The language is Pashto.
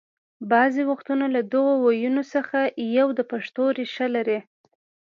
بعضې وختونه له دغو ويونو څخه یو د پښتو ریښه لري